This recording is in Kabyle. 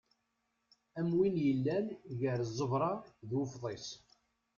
Am win yellan gar ẓẓebra d ufḍis.